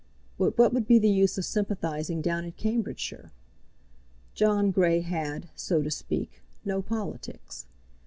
But what would be the use of sympathizing down in Cambridgeshire? John Grey had, so to speak, no politics.